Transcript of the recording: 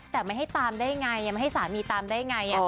แต่ไม่ให้ตามได้ไงยังไม่ให้สามีตามได้ไง